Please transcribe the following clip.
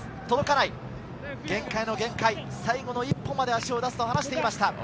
届かない限界の限界、最後の一歩まで足を出すと話していました。